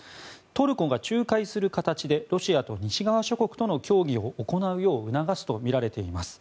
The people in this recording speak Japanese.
トルコが仲介する形でロシアと西側諸国との協議を行うよう促すとみられています。